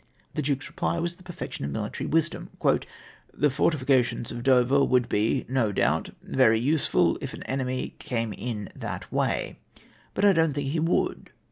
The Duke's reply was the perfection of mihtary wisdom. " The fortifications of Dover would he, no doubt,, very useful if an enemy came in that ivay, hut I dont think he u:oidd.